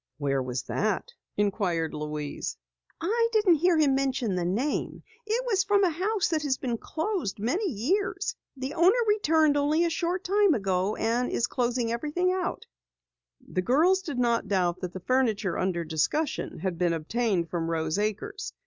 "Where was that?" inquired Louise. "I didn't hear him mention the name. It was from a house that has been closed many years. The owner returned only a short time ago and is closing out everything." The girls did not doubt that the furniture under discussion had been obtained from Rose Acres.